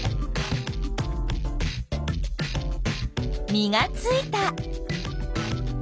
実がついた。